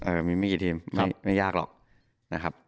มีไม่กี่ทีมไม่ยากหรอกนะครับ